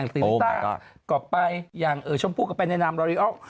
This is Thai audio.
ตีริสตาก่อไปอย่างเอ๋ชมพุกก็ไปแนนามรอรี่ออ๊อก